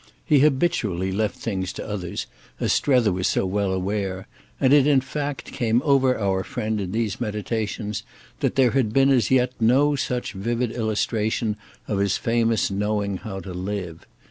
He habitually left things to others, as Strether was so well aware, and it in fact came over our friend in these meditations that there had been as yet no such vivid illustration of his famous knowing how to live.